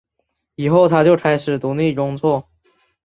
以后他就开始独立工作。